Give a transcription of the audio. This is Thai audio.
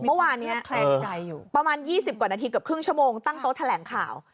เมื่อวานนี้แคลงใจอยู่ประมาณ๒๐กว่านาทีเกือบครึ่งชั่วโมงตั้งโต๊ะแถลงข่าว